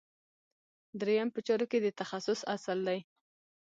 دریم په چارو کې د تخصص اصل دی.